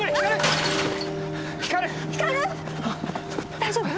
大丈夫！？